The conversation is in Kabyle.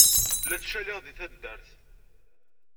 La ttcaliɣ deg taddart.